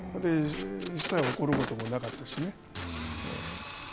一切怒ることもなかったしね。